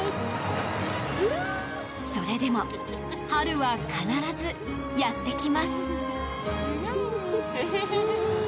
それでも春は必ずやってきます。